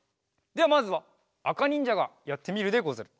ではまずはあかにんじゃがやってみるでござる。